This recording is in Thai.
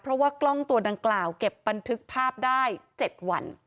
เพราะว่ากล้องตัวดังกล่าวเก็บบันทึกภาพได้๗วัน